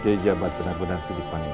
kiai jabat benar benar sedih panggilan